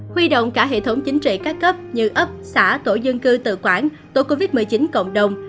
huy động cả hệ thống chính trị các cấp như ấp xã tổ dân cư tự quản tổ covid một mươi chín cộng đồng